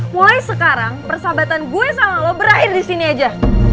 mulai sekarang persahabatan gue sama lo berakhir disini aja